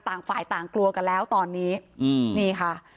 ต่างฝ่ายต่างกลัวกันแล้วตอนนี้อืมนี่ค่ะ